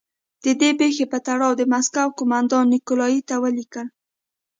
د دې پېښو په تړاو د مسکو قومندان نیکولای ته ولیکل.